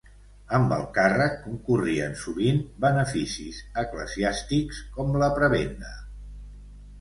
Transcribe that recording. Amb el càrrec concorrien sovint beneficis eclesiàstics com la prebenda.